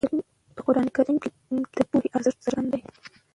په قرآن کې د پوهې ارزښت څرګند دی.